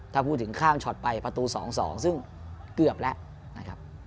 ถ้าพูดถึงข้างช็อตไปประตู๒๒ซึ่งเกือบแล้วนะครับ